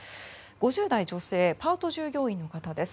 ５０代女性、パート従業員の方。